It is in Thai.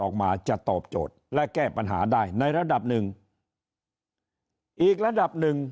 ออกมาจะตอบโจทย์และแก้ปัญหาได้ในระดับหนึ่งอีกระดับหนึ่ง